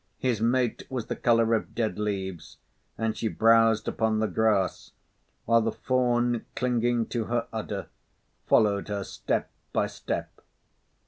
His mate was the color of dead leaves, and she browsed upon the grass, while the fawn, clinging to her udder, followed her step by step.